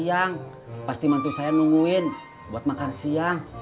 siang pasti mantu saya nungguin buat makan siang